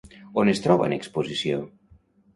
On es troba en exposició?